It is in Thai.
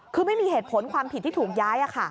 คือไม่มีเหตุผลความผิดที่ถูกย้าย